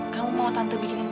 kamu mau tante bikinin teh ya